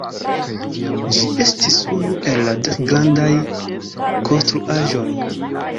Ĝi estis unu el la "dek grandaj konstruaĵoj".